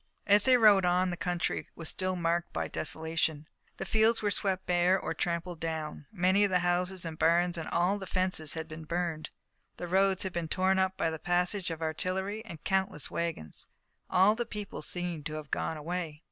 As they rode on the country was still marked by desolation. The fields were swept bare or trampled down. Many of the houses and barns and all the fences had been burned. The roads had been torn up by the passage of artillery and countless wagons. All the people seemed to have gone away.